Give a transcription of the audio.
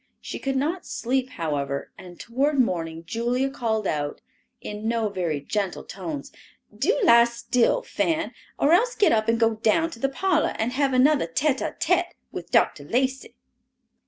She could not sleep, however, and toward morning Julia called out, in no very gentle tones, "Do lie still, Fan, or else get up and go down in the parlor and have another tete a tete with Dr. Lacey."